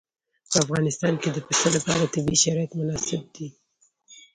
په افغانستان کې د پسه لپاره طبیعي شرایط مناسب دي.